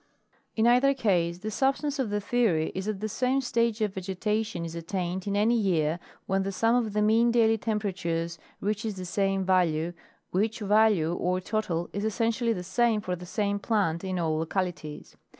In either case the substance of the theory is that the same stage of vegetation is attained in any year when the sum of the mean daily temperatures reaches the same value, which value or total is essentially the same for the same plant in all localities.